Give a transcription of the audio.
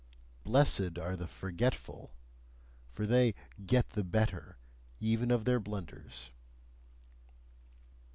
Blessed are the forgetful: for they "get the better" even of their blunders.